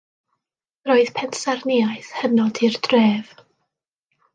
Roedd pensaernïaeth hynod i'r dref.